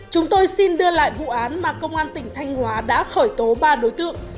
chúng tôi xin đưa lại vụ án mà công an tỉnh thanh hóa đã khởi tố ba đối tượng